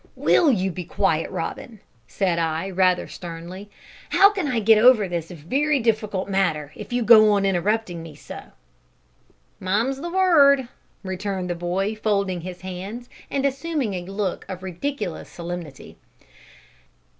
"Will you be quiet, Robin?" said I, rather sternly; "how can I get over this very difficult matter if you go on interrupting me so?" "Mum's the word!" returned the boy, folding his hands, and assuming a look of ridiculous solemnity.